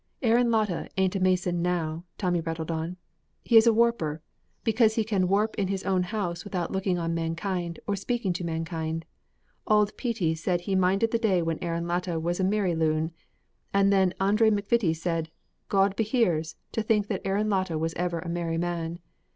"Aaron Latta ain't a mason now," Tommy rattled on: "he is a warper, because he can warp in his own house without looking on mankind or speaking to mankind. Auld Petey said he minded the day when Aaron Latta was a merry loon, and then Andrew McVittie said, 'God behears, to think that Aaron Latta was ever a merry man!'